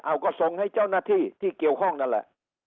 เอาก็ส่งให้เจ้าหน้าที่ที่เกี่ยวข้องนั่นแหละ